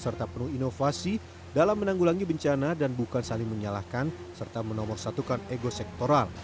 serta penuh inovasi dalam menanggulangi bencana dan bukan saling menyalahkan serta menomorsatukan ego sektoral